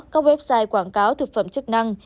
các website quảng cáo thực phẩm chức năng